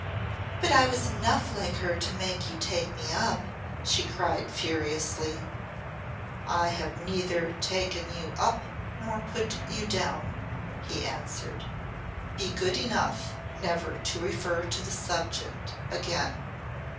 "But I was enough like her to make you take me up!" she cried furiously. "I have neither taken you up nor put you down," he answered. "Be good enough never to refer to the subject again."